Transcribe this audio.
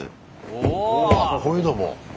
おおこういうのも。